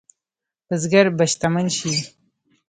بزګر به شتمن شي؟